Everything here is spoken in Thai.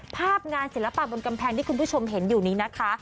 ภาพงานศิลปะบนกำแพงที่คุณผู้ชมเห็นอยู่นี้นะคะ